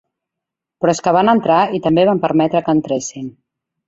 Però és que van entrar i també vam permetre que entressin.